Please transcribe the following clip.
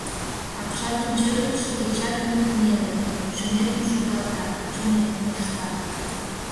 Апшатын чӧгытшӧ дечат мут неле — шӱметым шогалта, чонет кошта.